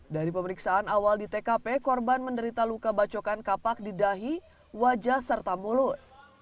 dari pemeriksaan awal di tkp korban menderita luka bacokan kapak di dahi wajah serta mulut